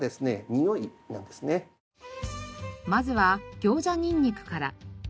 まずはギョウジャニンニクから。